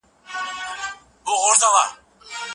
څېړنې د لنډ خوب اغېز ښيي.